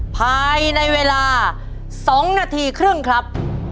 ภายในเวลา๒นาทีครึ่งครับ